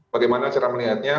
bagaimana cara melihatnya